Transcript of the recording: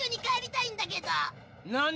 何？